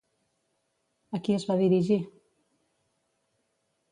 A qui es va dirigir?